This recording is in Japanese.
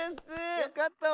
よかったわ。